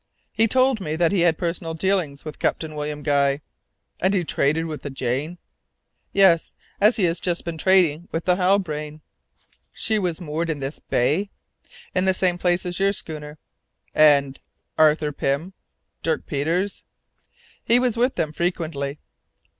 "He told me that he had personal dealings with Captain William Guy." "And he traded with the Jane?" "Yes, as he has just been trading with the Halbrane." "She was moored in this bay?" "In the same place as your schooner." "And Arthur Pym Dirk Peters?" "He was with them frequently."